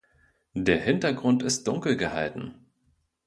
Der Hintergrund ist dunkel gehalten.